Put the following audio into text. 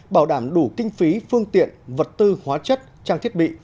bảo đảm đủ kinh phí phương tiện vật tư hóa chất trang thiết bị